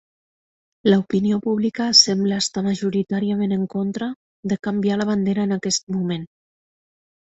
L'opinió pública sembla estar majoritàriament en contra de canviar la bandera en aquest moment.